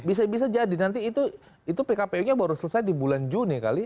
bisa bisa jadi nanti itu pkpu nya baru selesai di bulan juni kali